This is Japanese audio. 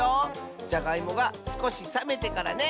じゃがいもがすこしさめてからね！